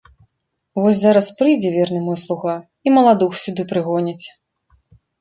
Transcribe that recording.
Вось зараз прыйдзе верны мой слуга, і маладух сюды прыгоняць.